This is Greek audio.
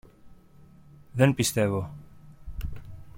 Δεν πιστεύω.